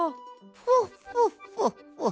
フォッフォッフォッフォッ。